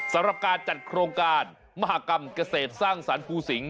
สำหรับการจัดโครงการมหากรรมเกษตรสร้างสรรคูสิง